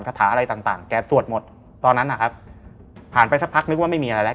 ถาอะไรต่างต่างแกสวดหมดตอนนั้นนะครับผ่านไปสักพักนึกว่าไม่มีอะไรแล้ว